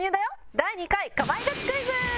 第２回かまいガチクイズ！